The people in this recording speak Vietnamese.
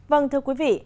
vâng thưa quý vị